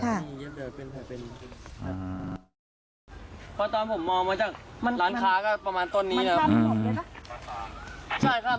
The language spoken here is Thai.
เพราะตอนผมมองมาจากร้านค้าก็ประมาณต้นนี้มันข้ามที่ผมเนี่ยคะ